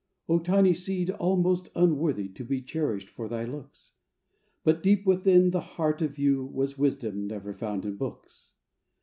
Tiny seed almost unworthy To be cherished for thy looks, But deep within the heart of you Was wisdom never found in books.